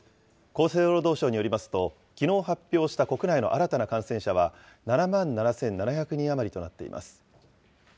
厚生労働省によりますと、きのう発表した国内の新たな感染者は、７万７７００人余りとなっています。